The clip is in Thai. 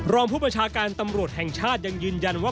รองผู้ประชาการตำรวจแห่งชาติยังยืนยันว่า